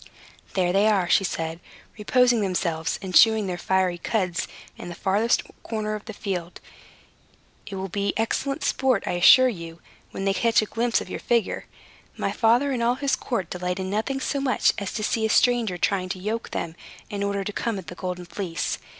"There they are," said she, "reposing themselves and chewing their fiery cuds in that farthest corner of the field. It will be excellent sport, I assure you, when they catch a glimpse of your figure. My father and all his court delight in nothing so much as to see a stranger trying to yoke them, in order to come at the Golden Fleece.